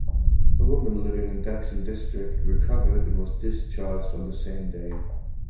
A woman living in Daxing District recovered and was discharged on the same day.